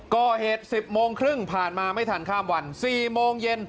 ก่อเหตุ๑๐โมงครึ่งผ่านมาไม่ทันข้ามวัน๔โมงเย็น